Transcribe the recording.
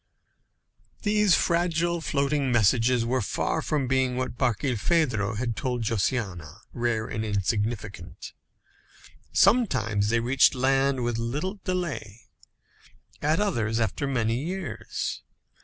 These fragile floating messages were far from being what Barkilphedro had told Josiana, rare and insignificant. Some times they reached land with little delay; at others, after many years.